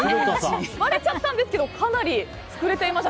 割れちゃったんですけどかなり膨れていました。